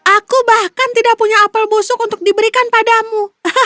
aku bahkan tidak punya apel busuk untuk diberikan padamu